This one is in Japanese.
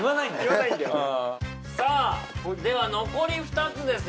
うんさあでは残り２つです